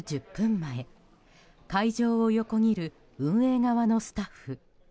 前会場を横切る運営側のスタッフ。